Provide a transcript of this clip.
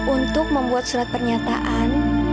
untuk membuat surat pernyataan